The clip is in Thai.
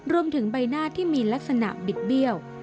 ใบหน้าที่มีลักษณะบิดเบี้ยว